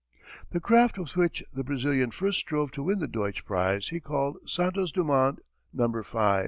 The craft with which the Brazilian first strove to win the Deutsch prize he called _Santos Dumont No. V.